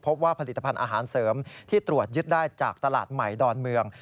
พบว่าผลิตภัณฑ์อาหารเสริมที่ตรวจยึดได้จากตลาดใหม่ดอนเมือง